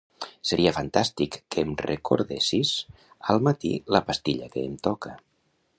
Seria fantàstic que em recordessis al matí la pastilla que em toca.